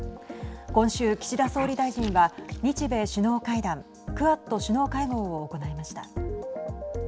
今週、岸田総理大臣は日米首脳会談クアッド首脳会合を行いました。